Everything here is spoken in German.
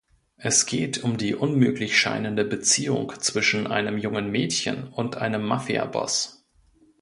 Es geht um die unmöglich scheinende Beziehung zwischen einem jungen Mädchen und einem Mafiaboss.